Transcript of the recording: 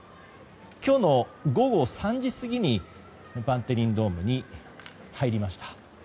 今日の午後３時過ぎにバンデリンドームに入りました。